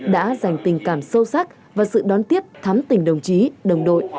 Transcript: đã dành tình cảm sâu sắc và sự đón tiếp thắm tình đồng chí đồng đội